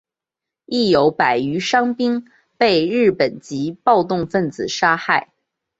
亦有百余伤兵被日本籍暴动分子杀害。